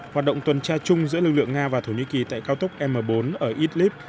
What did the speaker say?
hoạt động tuần tra chung giữa lực lượng nga và thổ nhĩ kỳ tại cao tốc m bốn ở idlib